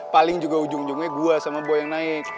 paling juga ujung ujungnya gue sama boy yang naik